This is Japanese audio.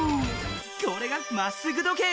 これが「まっすぐ時計」。